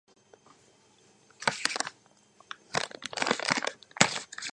დედოფალმა იგი ეკლესიას შესწირა, როგორც აღთქმის მიხედვით შესრულებული გამოსახულება.